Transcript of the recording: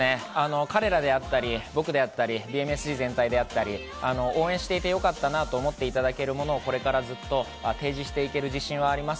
彼らであったり、僕であったり、ＢＭＳＧ全体だったり、応援していてよかったなと思っていただけるものを、ずっと提示していける自信はあります。